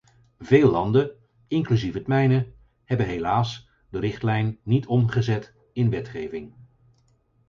Veel landen, inclusief het mijne, hebben helaas de richtlijn niet omgezet in wetgeving.